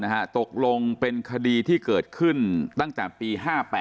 นี่จะตกลงเป็นคดีที่เกิดขึ้นตั้งจากปี๕๘